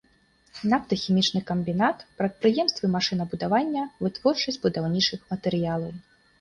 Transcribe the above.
Нафтахімічны камбінат, прадпрыемствы машынабудавання, вытворчасць будаўнічых матэрыялаў.